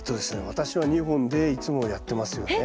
私は２本でいつもやってますよね。